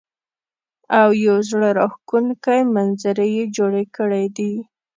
او يو زړۀ راښکونکے منظر يې جوړ کړے دے ـ